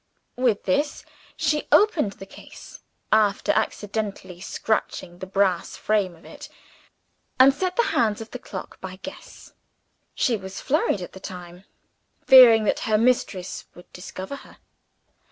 With this, she opened the case after accidentally scratching the brass frame of it and set the hands of the clock by guess. She was flurried at the time; fearing that her mistress would discover her.